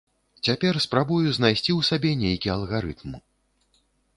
Цяпер спрабую знайсці ў сабе нейкі алгарытм.